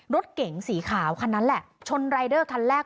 รถเก๋งสีขาวคันนั้นแหละชนรายเดอร์คันแรก